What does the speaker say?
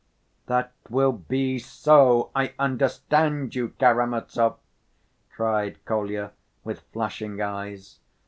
" "That will be so, I understand you, Karamazov!" cried Kolya, with flashing eyes.